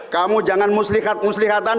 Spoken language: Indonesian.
kamu jangan muslihat muslihatan